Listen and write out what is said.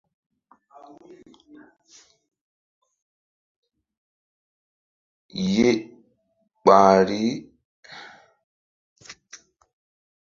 Ye ɓay lari ƴo ɓeɓ fe pi ƴo lek fe pi.